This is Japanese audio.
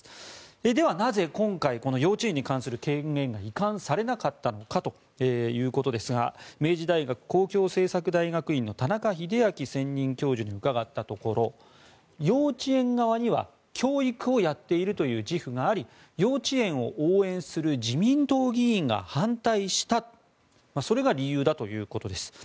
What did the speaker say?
では、なぜ今回この幼稚園に関する権限が移管されなかったのかということですが明治大学公共政策大学院の田中秀明専任教授に伺ったところ幼稚園側には教育をやっているという自負があり幼稚園を応援する自民党議員が反対したそれが理由だということです。